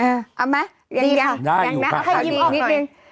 เอาไหมค่ะดีอีกนิดนึง